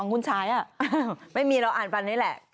ของคุณชายไม่มีเราอ่านไปอันนี้แหละ